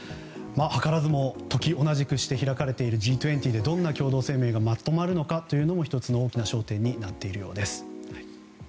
図らずも、時同じくして行われているＧ２０でどのように共同声明がまとまるのかも、１つの大きな焦点になっているようです。